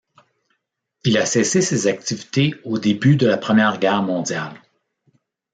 Il a cessé ses activités au début de la Première Guerre mondiale.